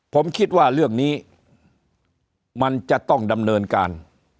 ผมคิดว่าเรื่องนี้มันจะต้องดำเนินการ